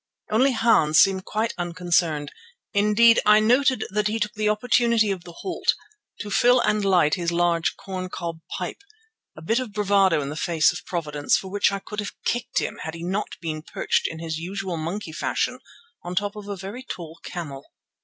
Only Hans seemed quite unconcerned. Indeed I noted that he took the opportunity of the halt to fill and light his large corn cob pipe, a bit of bravado in the face of Providence for which I could have kicked him had he not been perched in his usual monkey fashion on the top of a very tall camel.